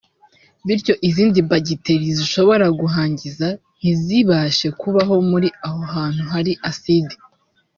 bityo izindi bagiteri zishobora kuhangiza ntizibashe kubaho muri aho hantu hari acide